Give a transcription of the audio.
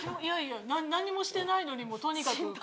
いやいや何にもしてないのにとにかく。